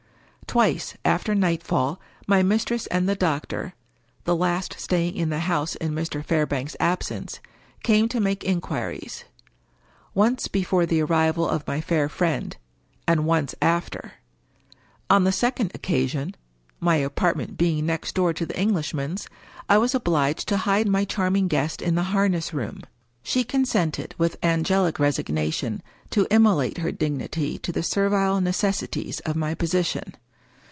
Twice, after nightfall, my mistress and the doctor (the last staying in the house in Mr. Fairbank's absence) came to make inquiries. Once before the arrival of my fair friend T and once after. On the second occasion (my apartment being next door to the Englishman's) I was obliged to hide my charming guest in the harness room. She consented, with angelic resignation, to immolate her dignity to the servile necessities of my position.